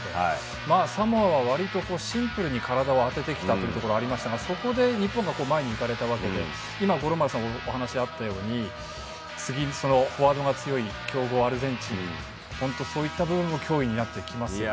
サモアはわりとシンプルに体を当ててきましたがそこで日本が前に行かれたわけで今、五郎丸さんからお話があったように次、フォワードが強い強豪アルゼンチンそういった部分も脅威になってきますよね。